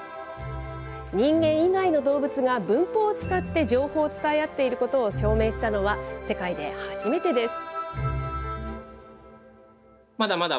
人間以外の動物が文法を使って情報を伝え合っていることを証明したのは世界で初めてです。